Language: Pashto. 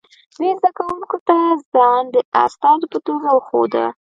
دوی زده کوونکو ته ځان د استازو په توګه ښوده